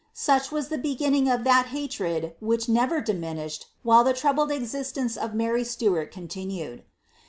Such was the beginning of that hatretl which never diminished while the troubled existence of Mary Stuart continued.